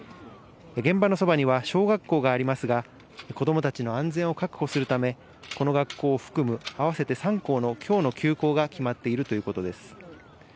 現場のそばには小学校がありますが、子どもたちの安全を確保するため、この学校を含む合わせて３校のきょうの休校が決まっているということです。